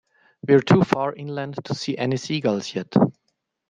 We're too far inland to see any seagulls yet.